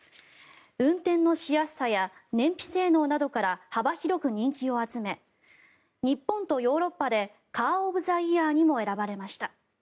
運転のしやすさや燃費性能などから幅広く人気を集め日本とヨーロッパでカー・オブ・ザ・イヤーにも選ばれました。